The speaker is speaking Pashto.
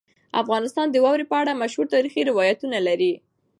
افغانستان د واورې په اړه مشهور تاریخي روایتونه لري.